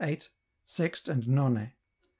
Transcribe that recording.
Sext and None.